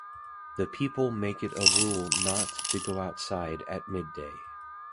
The people make it a rule not to go outside at midday.